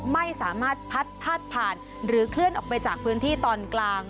ไม่สามารถพัดพาดผ่านหรือเคลื่อนออกไปจากพื้นที่ตอนกลาง